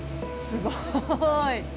すごい。